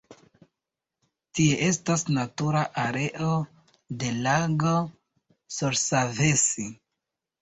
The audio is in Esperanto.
Tie estas natura areo de lago Sorsavesi.